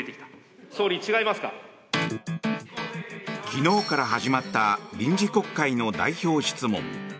昨日から始まった臨時国会の代表質問。